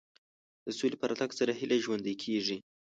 د سولې په راتګ سره هیله ژوندۍ کېږي.